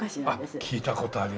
あっ聞いた事あります。